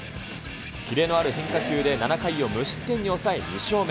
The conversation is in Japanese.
キレのある変化球で７回を無失点に抑え、２勝目。